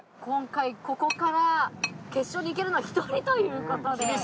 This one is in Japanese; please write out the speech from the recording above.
今回ここから決勝に行けるのは１人ということで。